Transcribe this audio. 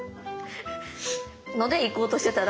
ので行こうとしてたら。